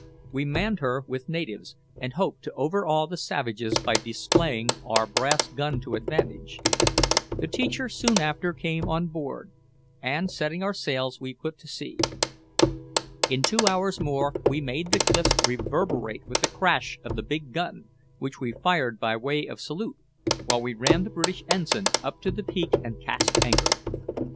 We manned her with natives, and hoped to overawe the savages by displaying our brass gun to advantage. The teacher soon after came on board, and setting our sails, we put to sea. In two hours more we made the cliffs reverberate with the crash of the big gun, which we fired by way of salute, while we ran the British ensign up to the peak and cast anchor.